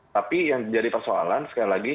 tapi yang jadi persoalan sekali lagi